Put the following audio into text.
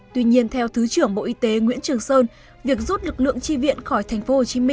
tuy nhiên theo thứ trưởng bộ y tế nguyễn trường sơn việc rút lực lượng tri viện khỏi tp hcm